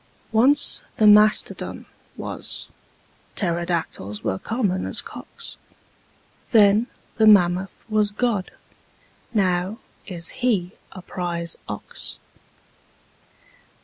Once the mastodon was: pterodactyls were common as cocks: Then the mammoth was God: now is He a prize ox.